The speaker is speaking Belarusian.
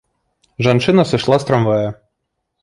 Жанчына сышла з трамвая.